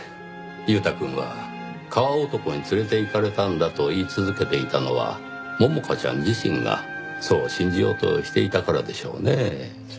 悠太くんは川男に連れていかれたのだと言い続けていたのは百花ちゃん自身がそう信じようとしていたからでしょうねぇ。